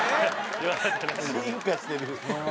進化してる。